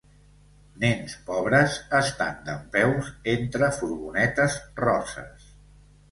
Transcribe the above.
Nens pobres estan dempeus entre furgonetes roses.